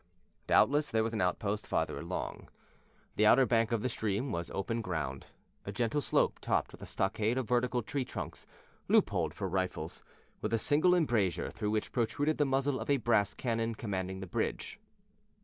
Doubtless there was an outpost farther along. The other bank of the stream was open ground a gentle acclivity topped with a stockade of vertical tree trunks, loop holed for rifles, with a single embrasure through which protruded the muzzle of a brass cannon commanding the bridge.